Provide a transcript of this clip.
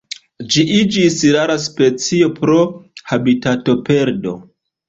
Ĝi iĝis rara specio pro habitatoperdo.